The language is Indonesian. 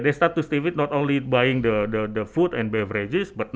mereka mulai mengubahnya bukan hanya membeli makanan dan beberapa makanan